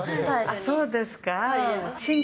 そうですか？